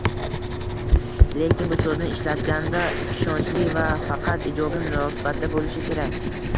Lekin bu so'zni ishlatganda ishonchli va faqat ijobiy munosabatda bo'lishi kerak